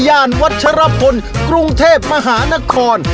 ย่านวัชฌพลย์กรุงเทพมหานคร